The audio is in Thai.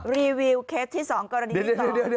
รีวิวเคสที่สองกรณีที่สอง